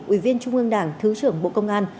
ủy viên trung ương đảng thứ trưởng bộ công an